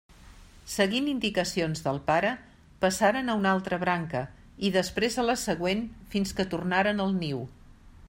Seguint indicacions del pare, passaren a una altra branca, i després a la següent fins que tornaren al niu.